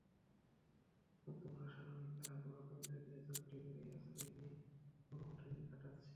নতুন আসা রোহিঙ্গারা পুরোনোদের ঝুপড়ি ঘরেই আশ্রয় নিয়ে কোনোমতে দিন কাটাচ্ছে।